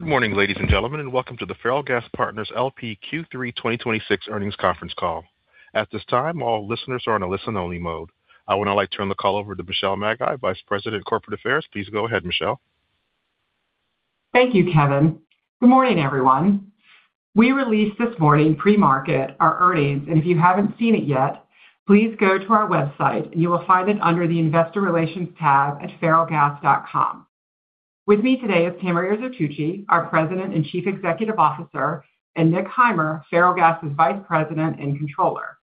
Good morning, ladies and gentlemen, welcome to the Ferrellgas Partners, L.P. Q3 2026 earnings conference call. At this time, all listeners are in a listen-only mode. I would now like to turn the call over to Michelle Maggi, Vice President of Corporate Affairs. Please go ahead, Michelle. Thank you, Kevin. Good morning, everyone. We released this morning pre-market our earnings, and if you haven't seen it yet, please go to our website and you will find it under the investor relations tab at ferrellgas.com. With me today is Tamria Zertuche, our President and Chief Executive Officer, and Nick Heimer, Ferrellgas' Vice President and Controller.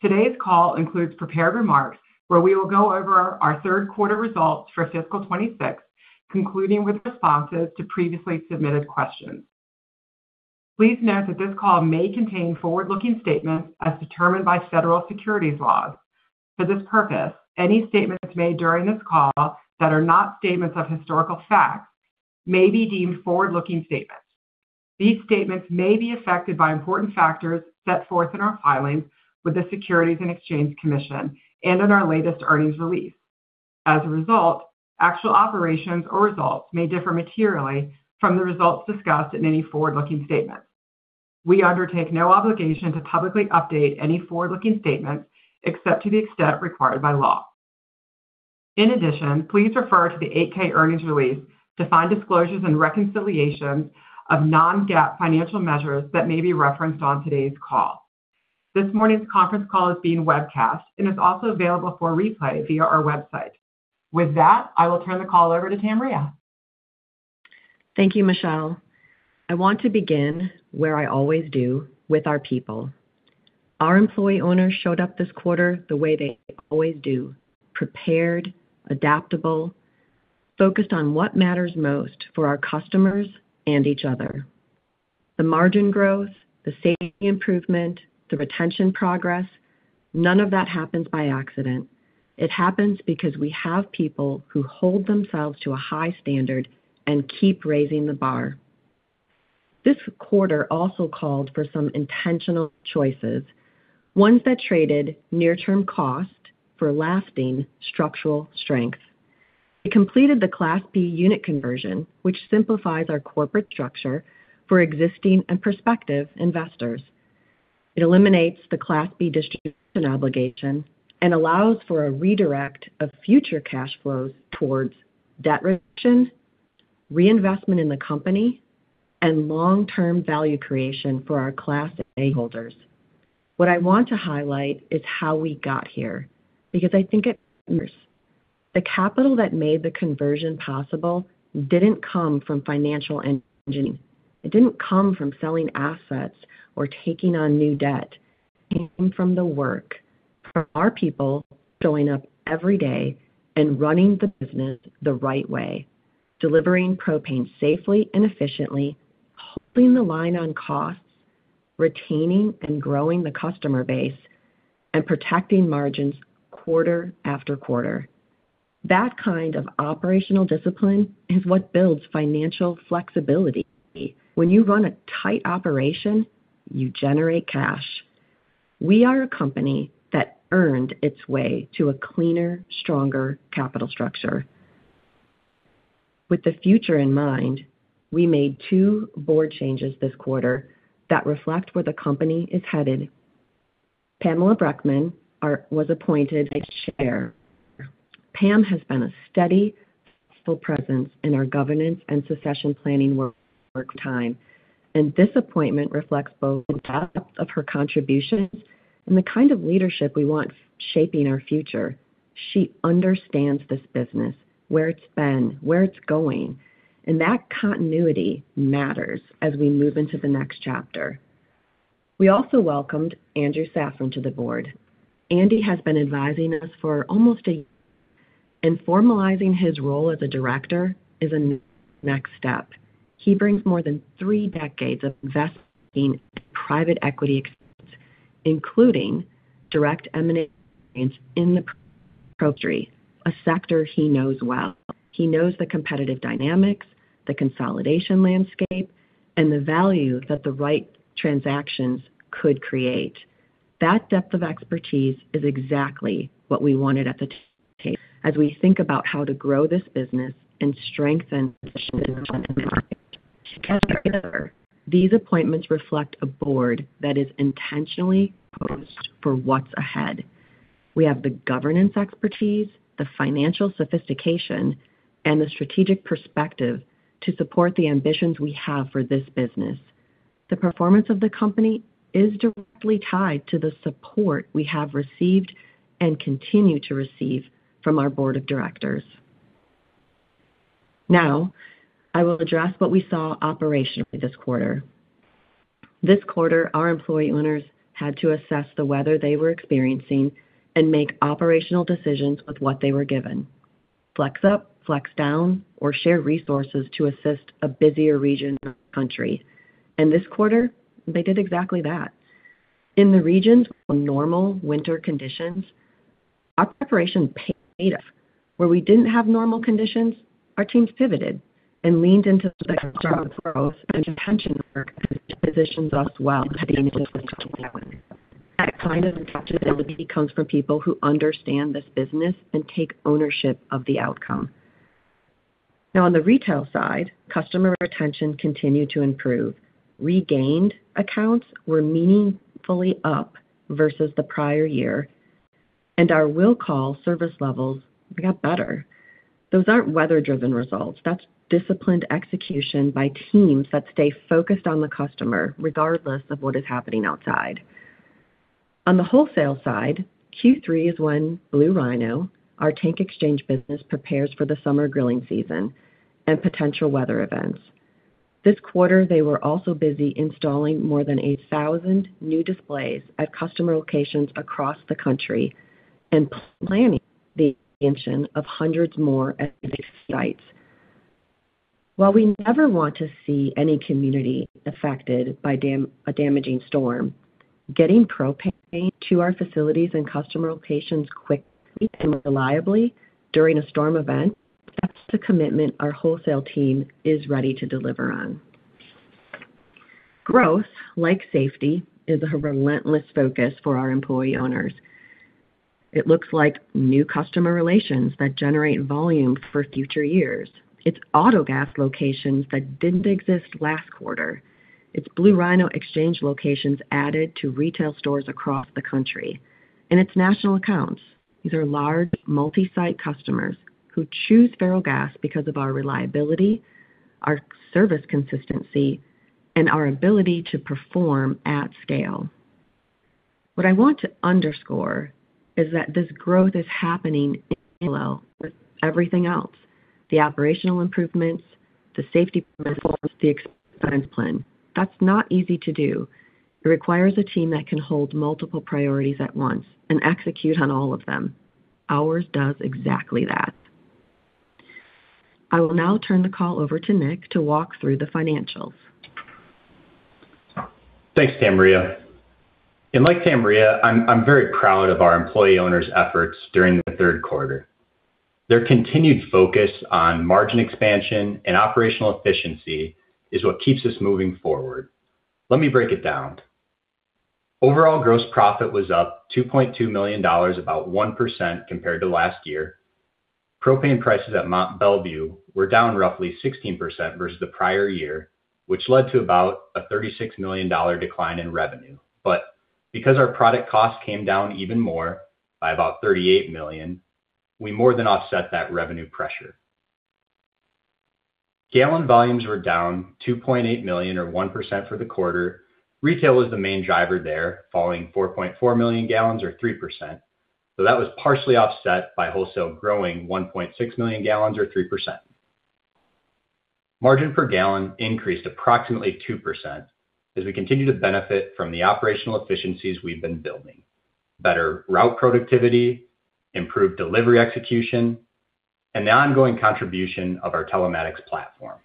Today's call includes prepared remarks where we will go over our third quarter results for fiscal 2026, concluding with responses to previously submitted questions. Please note that this call may contain forward-looking statements as determined by federal securities laws. For this purpose, any statements made during this call that are not statements of historical fact may be deemed forward-looking statements. These statements may be affected by important factors set forth in our filings with the Securities and Exchange Commission and in our latest earnings release. As a result, actual operations or results may differ materially from the results discussed in any forward-looking statements. We undertake no obligation to publicly update any forward-looking statements except to the extent required by law. In addition, please refer to the 8-K earnings release to find disclosures and reconciliations of non-GAAP financial measures that may be referenced on today's call. This morning's conference call is being webcast and is also available for replay via our website. With that, I will turn the call over to Tamria. Thank you, Michelle. I want to begin where I always do, with our people. Our employee owners showed up this quarter the way they always do, prepared, adaptable, focused on what matters most for our customers and each other. The margin growth, the safety improvement, the retention progress, none of that happens by accident. It happens because we have people who hold themselves to a high standard and keep raising the bar. This quarter also called for some intentional choices, ones that traded near-term cost for lasting structural strength. We completed the Class B unit conversion, which simplifies our corporate structure for existing and prospective investors. It eliminates the Class B distribution obligation and allows for a redirect of future cash flows towards debt reduction, reinvestment in the company, and long-term value creation for our Class A holders. What I want to highlight is how we got here, because I think it matters. The capital that made the conversion possible didn't come from financial engineering. It didn't come from selling assets or taking on new debt. It came from the work, from our people showing up every day and running the business the right way. Delivering propane safely and efficiently, holding the line on costs, retaining and growing the customer base, and protecting margins quarter after quarter. That kind of operational discipline is what builds financial flexibility. When you run a tight operation, you generate cash. We are a company that earned its way to a cleaner, stronger capital structure. With the future in mind, we made two board changes this quarter that reflect where the company is headed. Pamela Breuckmann was appointed as Chair. Pam has been a steady, thoughtful presence in our governance and succession planning work for some time, and this appointment reflects both the depth of her contributions and the kind of leadership we want shaping our future. She understands this business, where it's been, where it's going, and that continuity matters as we move into the next chapter. We also welcomed Andrew Safran to the board. Andy has been advising us for almost a year, and formalizing his role as a director is a natural next step. He brings more than three decades of investing and private equity experience, including direct M&A experience in the propane industry, a sector he knows well. He knows the competitive dynamics, the consolidation landscape, and the value that the right transactions could create. That depth of expertise is exactly what we wanted at the table as we think about how to grow this business and strengthen the position of Ferrellgas. Together, these appointments reflect a board that is intentionally composed for what's ahead. We have the governance expertise, the financial sophistication, and the strategic perspective to support the ambitions we have for this business. The performance of the company is directly tied to the support we have received and continue to receive from our Board of Directors. Now, I will address what we saw operationally this quarter. This quarter, our employee owners had to assess the weather they were experiencing and make operational decisions with what they were given. Flex up, flex down, or share resources to assist a busier region of the country. This quarter, they did exactly that. In the regions with normal winter conditions, our preparation paid off. Where we didn't have normal conditions, our teams pivoted and leaned into the strong growth and retention work that positions us well heading into 2027. That kind of untouchability comes from people who understand this business and take ownership of the outcome. Now, on the retail side, customer retention continued to improve. Regained accounts were meaningfully up versus the prior year, and our will-call service levels got better. Those aren't weather-driven results. That's disciplined execution by teams that stay focused on the customer regardless of what is happening outside. On the wholesale side, Q3 is when Blue Rhino, our tank exchange business, prepares for the summer grilling season and potential weather events. This quarter, they were also busy installing more than 1,000 new displays at customer locations across the country and planning the expansion of hundreds more at new sites. While we never want to see any community affected by a damaging storm, getting propane to our facilities and customer locations quickly and reliably during a storm event, that's the commitment our wholesale team is ready to deliver on. Growth, like safety, is a relentless focus for our employee owners. It looks like new customer relations that generate volume for future years. It's autogas locations that didn't exist last quarter. It's Blue Rhino exchange locations added to retail stores across the country. It's national accounts. These are large multi-site customers who choose Ferrellgas because of our reliability, our service consistency, and our ability to perform at scale. What I want to underscore is that this growth is happening in parallel with everything else, the operational improvements, the safety performance, the expense plan. That's not easy to do. It requires a team that can hold multiple priorities at once and execute on all of them. Ours does exactly that. I will now turn the call over to Nick to walk through the financials. Thanks, Tamria. Like Tamria, I'm very proud of our employee owners' efforts during the third quarter. Their continued focus on margin expansion and operational efficiency is what keeps us moving forward. Let me break it down. Overall gross profit was up $2.2 million, about 1% compared to last year. Propane prices at Mont Belvieu were down roughly 16% versus the prior year, which led to about a $36 million decline in revenue. Because our product cost came down even more by about $38 million, we more than offset that revenue pressure. Gallon volumes were down 2.8 million or 1% for the quarter. Retail was the main driver there, falling 4.4 million gallons or 3%. That was partially offset by wholesale growing 1.6 million gallons or 3%. Margin per gallon increased approximately 2% as we continue to benefit from the operational efficiencies we've been building, better route productivity, improved delivery execution, and the ongoing contribution of our telematics platform.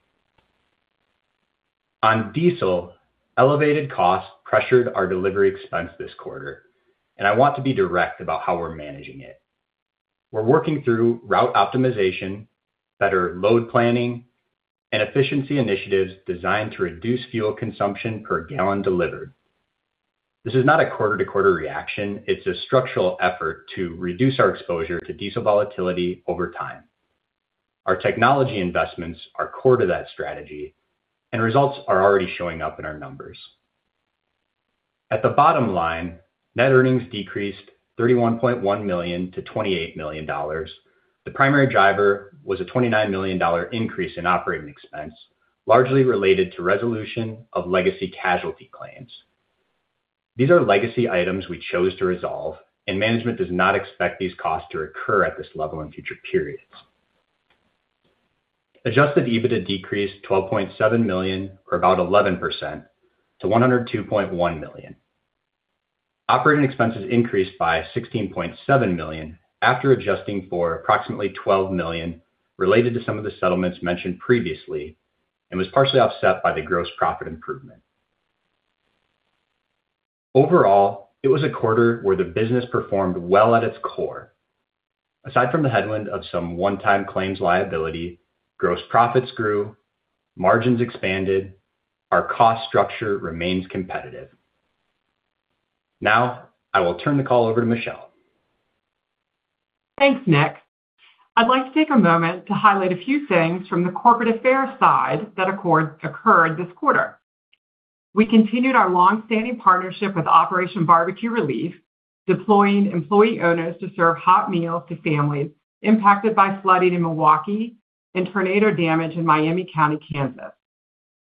On diesel, elevated costs pressured our delivery expense this quarter, and I want to be direct about how we're managing it. We're working through route optimization, better load planning, and efficiency initiatives designed to reduce fuel consumption per gallon delivered. This is not a quarter-to-quarter reaction. It's a structural effort to reduce our exposure to diesel volatility over time. Our technology investments are core to that strategy, and results are already showing up in our numbers. At the bottom line, net earnings decreased $31.1 million to $28 million. The primary driver was a $29 million increase in operating expense, largely related to resolution of legacy casualty claims. These are legacy items we chose to resolve. Management does not expect these costs to recur at this level in future periods. Adjusted EBITDA decreased $12.7 million or about 11% to $102.1 million. Operating expenses increased by $16.7 million after adjusting for approximately $12 million related to some of the settlements mentioned previously and was partially offset by the gross profit improvement. Overall, it was a quarter where the business performed well at its core. Aside from the headwind of some one-time claims liability, gross profits grew, margins expanded. Our cost structure remains competitive. Now I will turn the call over to Michelle. Thanks, Nick. I'd like to take a moment to highlight a few things from the corporate affairs side that occurred this quarter. We continued our long-standing partnership with Operation BBQ Relief, deploying employee owners to serve hot meals to families impacted by flooding in Milwaukee and tornado damage in Miami County, Kansas.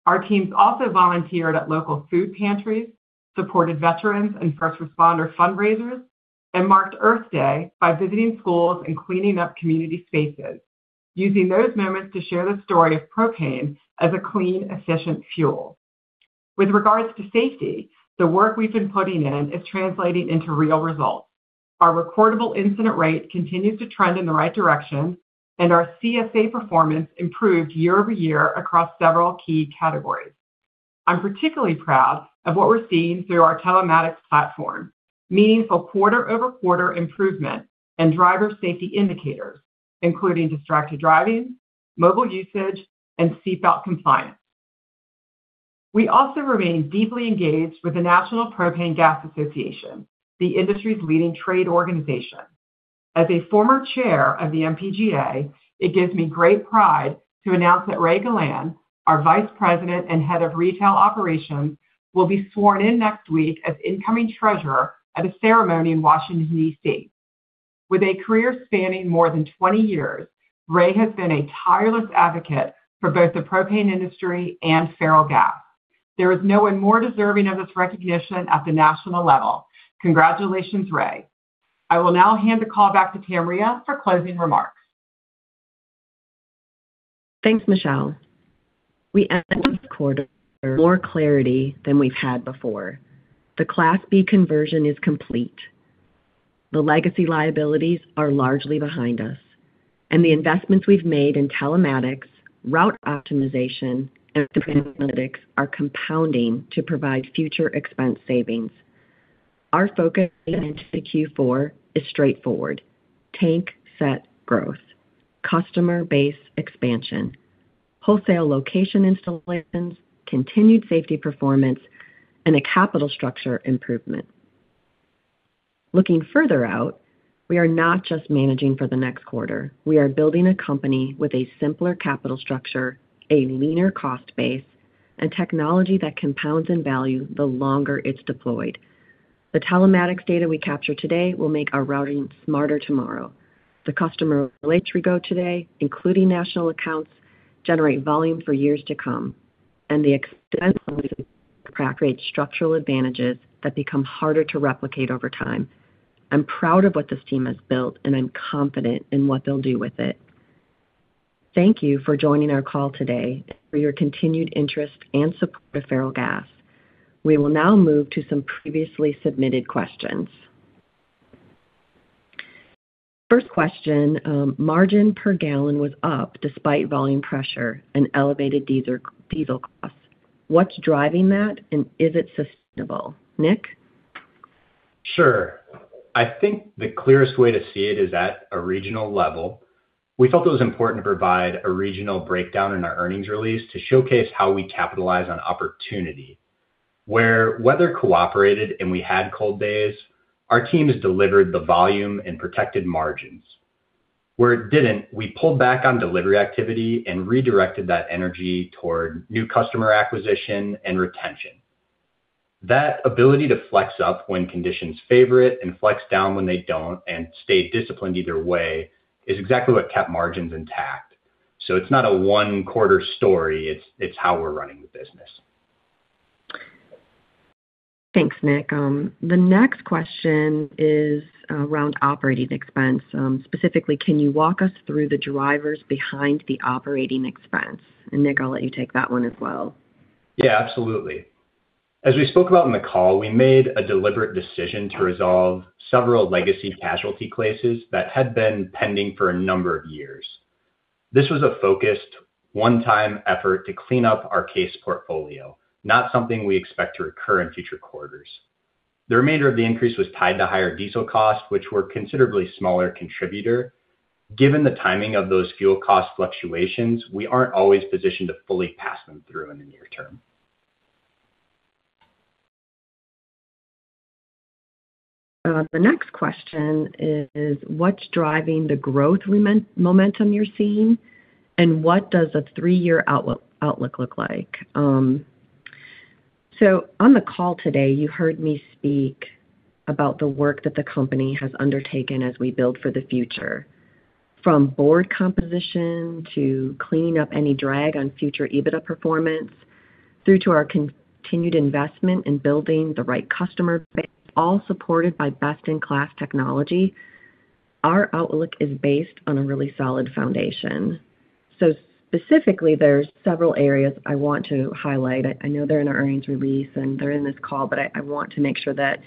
Our teams also volunteered at local food pantries, supported veterans and first responder fundraisers, and marked Earth Day by visiting schools and cleaning up community spaces, using those moments to share the story of propane as a clean, efficient fuel. With regards to safety, the work we've been putting in is translating into real results. Our recordable incident rate continues to trend in the right direction, and our CSA performance improved year-over-year across several key categories. I'm particularly proud of what we're seeing through our telematics platform, meaningful quarter-over-quarter improvement in driver safety indicators, including distracted driving, mobile usage, and seat belt compliance. We also remain deeply engaged with the National Propane Gas Association, the industry's leading trade organization. As a former Chair of the NPGA, it gives me great pride to announce that Ray Galan, our Vice President and Head of Retail Operations, will be sworn in next week as incoming Treasurer at a ceremony in Washington, D.C. With a career spanning more than 20 years, Ray has been a tireless advocate for both the propane industry and Ferrellgas. There is no one more deserving of this recognition at the national level. Congratulations, Ray. I will now hand the call back to Tamria for closing remarks. Thanks, Michelle. We end this quarter with more clarity than we've had before. The Class B conversion is complete. The legacy liabilities are largely behind us. The investments we've made in telematics, route optimization, and analytics are compounding to provide future expense savings. Our focus into the Q4 is straightforward: tank set growth, customer base expansion, wholesale location installations, continued safety performance, and a capital structure improvement. Looking further out, we are not just managing for the next quarter. We are building a company with a simpler capital structure, a leaner cost base, and technology that compounds in value the longer it's deployed. The telematics data we capture today will make our routing smarter tomorrow. The customer relationships we grow today, including national accounts, generate volume for years to come, and the expense savings create structural advantages that become harder to replicate over time. I'm proud of what this team has built, and I'm confident in what they'll do with it. Thank you for joining our call today and for your continued interest and support of Ferrellgas. We will now move to some previously submitted questions. First question, margin per gallon was up despite volume pressure and elevated diesel costs. What's driving that, and is it sustainable? Nick? Sure. I think the clearest way to see it is at a regional level. We felt it was important to provide a regional breakdown in our earnings release to showcase how we capitalize on opportunity. Where weather cooperated and we had cold days, our teams delivered the volume and protected margins. Where it didn't, we pulled back on delivery activity and redirected that energy toward new customer acquisition and retention. That ability to flex up when conditions favor it and flex down when they don't and stay disciplined either way is exactly what kept margins intact. It's not a one-quarter story, it's how we're running the business. Thanks, Nick. The next question is around operating expense. Specifically, can you walk us through the drivers behind the operating expense? Nick, I'll let you take that one as well. Yeah, absolutely. As we spoke about on the call, we made a deliberate decision to resolve several legacy casualty cases that had been pending for a number of years. This was a focused, one-time effort to clean up our case portfolio, not something we expect to recur in future quarters. The remainder of the increase was tied to higher diesel costs, which were a considerably smaller contributor. Given the timing of those fuel cost fluctuations, we aren't always positioned to fully pass them through in the near-term. The next question is what's driving the growth momentum you're seeing, and what does a three-year outlook look like? On the call today, you heard me speak about the work that the company has undertaken as we build for the future. From board composition to cleaning up any drag on future EBITDA performance, through to our continued investment in building the right customer base, all supported by best-in-class technology, our outlook is based on a really solid foundation. Specifically, there's several areas I want to highlight. I know they're in our earnings release, and they're in this call, but I want to make sure that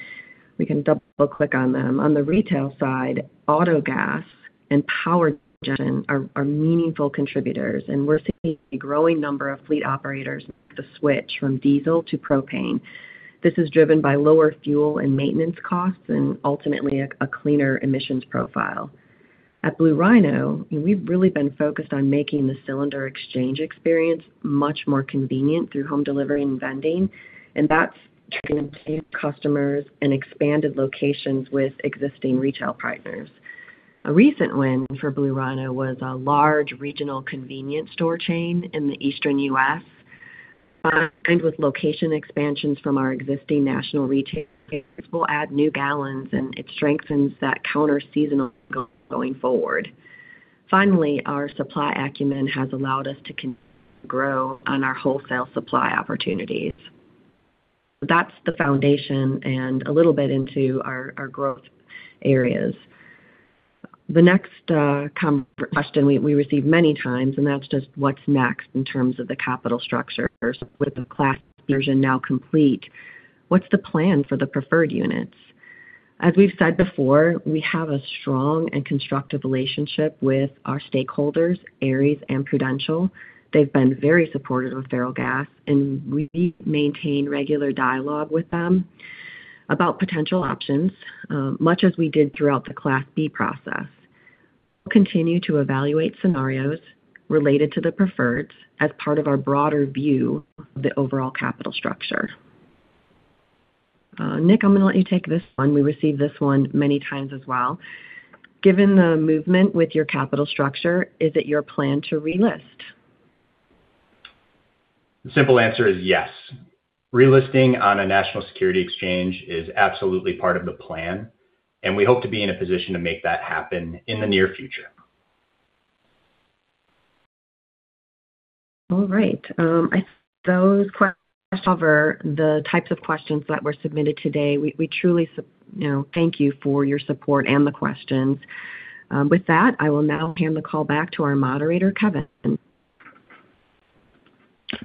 we can double-click on them. On the retail side, autogas and power generation are meaningful contributors, and we're seeing a growing number of fleet operators make the switch from diesel to propane. This is driven by lower fuel and maintenance costs and ultimately a cleaner emissions profile. At Blue Rhino, we've really been focused on making the cylinder exchange experience much more convenient through home delivery and vending, and that's generating new customers and expanded locations with existing retail partners. A recent win for Blue Rhino was a large regional convenience store chain in the Eastern U.S. Combined with location expansions from our existing national retail partners will add new gallons, and it strengthens that counter-seasonal going forward. Finally, our supply acumen has allowed us to continue to grow on our wholesale supply opportunities. That's the foundation and a little bit into our growth areas. The next question we receive many times, and that's just what's next in terms of the capital structure. With the Class conversion now complete, what's the plan for the preferred units? As we've said before, we have a strong and constructive relationship with our stakeholders, Ares and Prudential. They've been very supportive of Ferrellgas, and we maintain regular dialogue with them about potential options, much as we did throughout the Class B process. We'll continue to evaluate scenarios related to the preferreds as part of our broader view of the overall capital structure. Nick, I'm going to let you take this one. We received this one many times as well. Given the movement with your capital structure, is it your plan to relist? The simple answer is yes. Relisting on a national securities exchange is absolutely part of the plan. We hope to be in a position to make that happen in the near future. All right. I think those questions cover the types of questions that were submitted today. We truly thank you for your support and the questions. With that, I will now hand the call back to our moderator, Kevin.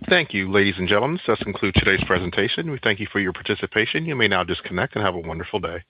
Thank you, ladies and gentlemen. This concludes today's presentation. We thank you for your participation. You may now disconnect and have a wonderful day.